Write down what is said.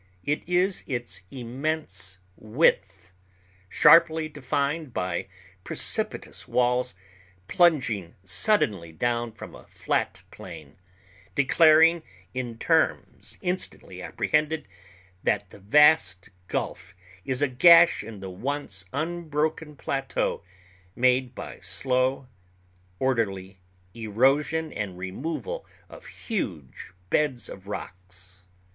It is its immense width, sharply defined by precipitous walls plunging suddenly down from a flat plain, declaring in terms instantly apprehended that the vast gulf is a gash in the once unbroken plateau, made by slow, orderly erosion and removal of huge beds of rocks.